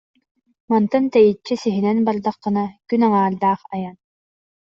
Мантан тэйиччи: сиһинэн бардаххына күн аҥаардаах айан